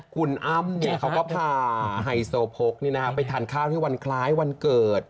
คุณอามเนี้ยเขาก็พาไฮสโหพกในนะครับไปทานข้าวที่วันคล้ายวันเกิด